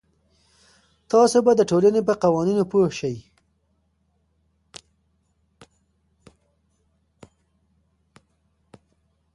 تاسې به د ټولنې په قوانینو پوه سئ.